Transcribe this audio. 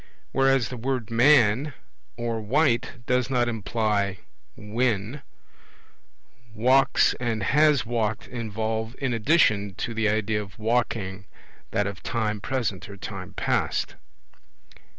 Whereas the word 'man' or 'white' does not imply when, 'walks' and 'has walked' involve in addition to the idea of walking that of time present or time past.